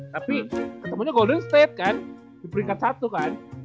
tapi ketemunya golden state kan di peringkat satu kan